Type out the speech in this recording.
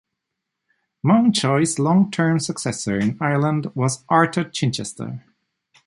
Mountjoy's long-term successor in Ireland was Arthur Chichester.